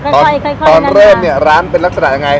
ตอนเริ่มเนี่ยร้านเป็นลักษณะยังไง